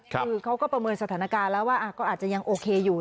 คือเขาก็ประเมินสถานการณ์แล้วว่าก็อาจจะยังโอเคอยู่